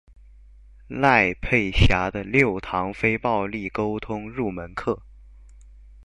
賴佩霞的六堂非暴力溝通入門課